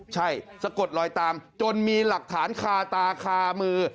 ใช่สะกดลอยตามจนมีหลักฐานคาตาคามือ